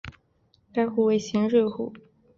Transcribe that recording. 该湖为咸水湖。